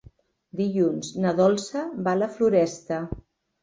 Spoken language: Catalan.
Dilluns na Dolça va a la Floresta.